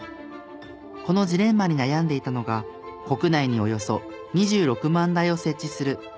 このジレンマに悩んでいたのが国内におよそ２６万台を設置するアサヒ飲料。